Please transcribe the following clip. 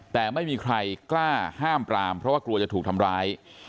แต่ไม่มีใครกล้าห้ามปรามเพราะว่ากลัวจะถูกทำร้าย